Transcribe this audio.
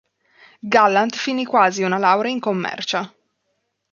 Gallant finì quasi una laurea in commercio.